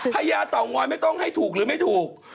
ญาเต่างอยไม่ต้องให้ถูกหรือไม่ถูก